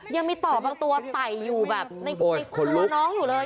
ยังมีต่อบางตัวไต่อยู่แบบในตัวน้องอยู่เลย